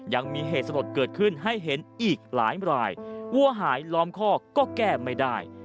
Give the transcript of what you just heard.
ยังมีเหตุสลดเกิดขึ้นให้เห็นอีกหลายรายวัวหายล้อมคอกก็แก้ไม่ได้